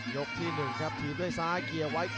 ที่๑ครับถีบด้วยซ้ายเคลียร์ไว้